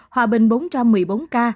hòa bình bốn trăm một mươi bốn ca